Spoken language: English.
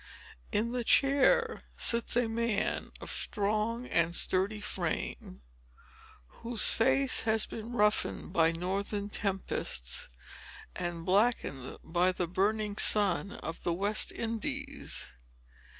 In the chair sits a man of strong and sturdy frame, whose face has been roughened by northern tempests, and blackened by the burning sun of the West Indies.